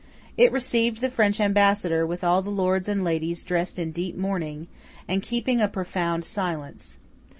It received the French ambassador, with all the lords and ladies dressed in deep mourning, and keeping a profound silence.